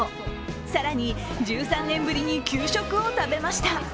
更に１３年ぶりに給食を食べました。